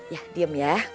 ya diem ya